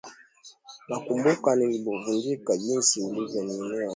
Nakumbuka nilipovunjika jinsi ulivyoniinua